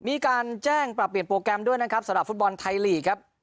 มีการแจ้งปรับเปลี่ยนโปรแกรมด้วยนะครับสำหรับฟุตบอลไทยลีกครับ